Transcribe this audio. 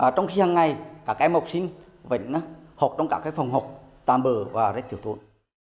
trong khi hàng ngày các em học sinh vẫn học trong các phòng học tạm bờ và rất thiếu thốn